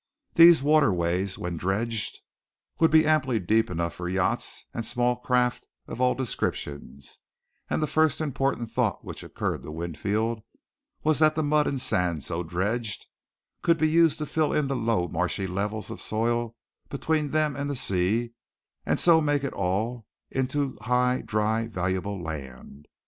These waterways, when dredged, would be amply deep enough for yachts and small craft of all descriptions, and the first important thought which occurred to Winfield was that the mud and sand so dredged could be used to fill in the low, marshy levels of soil between them and the sea and so make it all into high, dry, and valuable land.